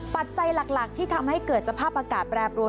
ปัจจัยหลักที่ทำให้เกิดสภาพอากาศแปรปรวน